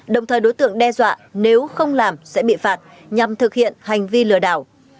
đồng thời đối tượng đe dọa nếu không làm sẽ bị phạt nhằm thực hiện hành vi lừa đảo